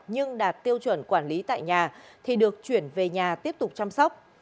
nhưng đạt tiêu chuẩn quản lý tại nhà thì được chuyển về nhà tiếp tục chăm sóc